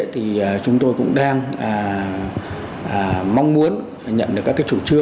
thì chúng tôi cũng đang mong muốn nhận được các chủ trương của chính phủ